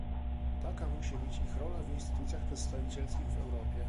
Taka musi być ich rola w instytucjach przedstawicielskich w Europie